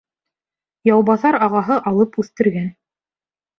Яубаҫар ағаһы алып үҫтергән